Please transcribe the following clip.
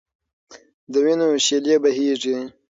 د وینو شېلې بهېږي.